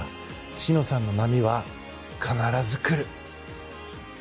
詩野さんの波は必ず来る。